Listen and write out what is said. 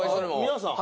皆さん？